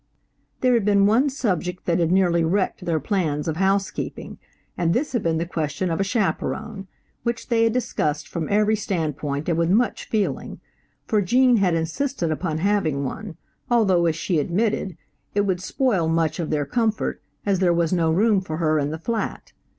There had been one subject that had nearly wrecked their plans of housekeeping, and this had been the question of a chaperone, which they had discussed from every standpoint and with much feeling, for Gene had insisted upon having one, although, as she admitted, it would spoil much of their comfort, as there was no room for her in the flat.